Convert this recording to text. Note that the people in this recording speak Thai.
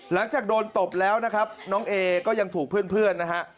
หลังจากโดนตบแล้วนะครับน้องเอก็ยังถูกเพื่อนนะฮะ